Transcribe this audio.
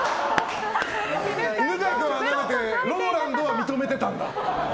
犬飼君はなめてＲＯＬＡＮＤは認めてたんだ。